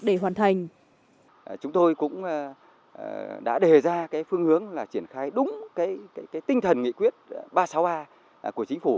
để hoàn thành chúng tôi cũng đã đề ra phương hướng triển khai đúng tinh thần nghị quyết ba mươi sáu a của chính phủ